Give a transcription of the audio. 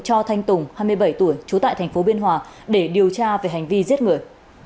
cho thanh tùng hai mươi bảy tuổi trú tại thành phố biên hòa để điều tra về hành vi giết người